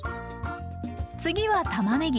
次はたまねぎ。